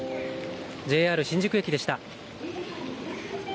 ＪＲ新宿駅でした。